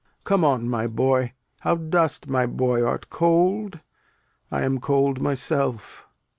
Come on, my boy. How dost, my boy? Art cold? I am cold myself.